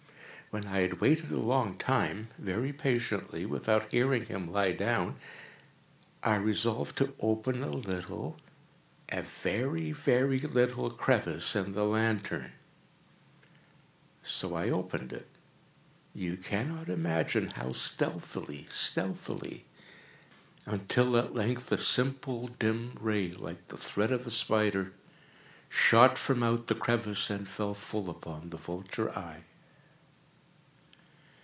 When I had waited a long time, very patiently, without hearing him lie down, I resolved to open a little—a very, very little crevice in the lantern. So I opened it—you cannot imagine how stealthily, stealthily—until, at length a simple dim ray, like the thread of the spider, shot from out the crevice and fell full upon the vulture eye.